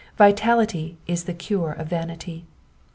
Vitality is the cure of vanity.